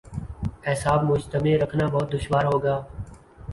اعصاب مجتمع رکھنا بہت دشوار ہو گا۔